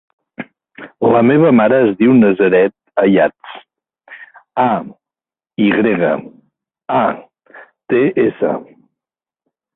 La meva mare es diu Nazaret Ayats: a, i grega, a, te, essa.